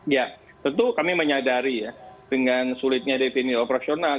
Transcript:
ya tentu kami menyadari ya dengan sulitnya defini operasional